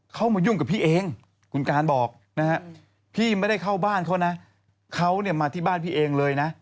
มายุ่งกับพี่เองคุณการบอกนะฮะพี่ไม่ได้เข้าบ้านเขานะเขาเนี่ยมาที่บ้านพี่เองเลยนะ